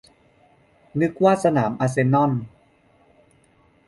- นึกว่าสนามอาร์เซนอล